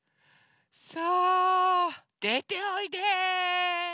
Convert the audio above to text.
さあでておいで。